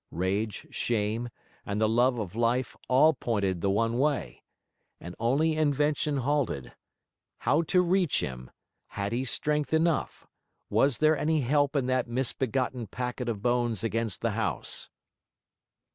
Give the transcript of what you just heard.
Rage, shame, and the love of life, all pointed the one way; and only invention halted: how to reach him? had he strength enough? was there any help in that misbegotten packet of bones against the house?